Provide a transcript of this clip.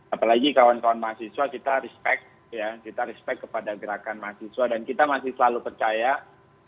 apalagi kawan kawan mahasiswa kita respect ya kita respect kepada gerakan mahasiswa dan kita masih selalu percaya